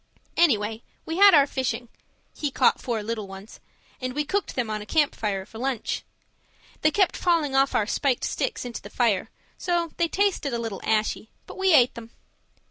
Anyway, we had our fishing (he caught four little ones) and we cooked them on a camp fire for lunch. They kept falling off our spiked sticks into the fire, so they tasted a little ashy, but we ate them.